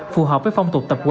phù hợp với phong tục tập quán